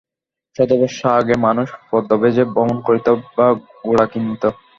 শতবর্ষ আগে মানুষ পদব্রজে ভ্রমণ করিত বা ঘোড়া কিনিত।